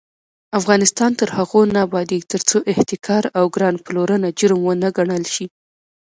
افغانستان تر هغو نه ابادیږي، ترڅو احتکار او ګران پلورنه جرم ونه ګڼل شي.